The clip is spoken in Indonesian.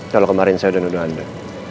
kalau kemarin saya sudah nuduh anda